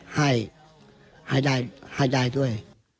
ให้ได้ด้วย